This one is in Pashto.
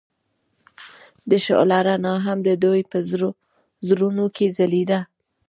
د شعله رڼا هم د دوی په زړونو کې ځلېده.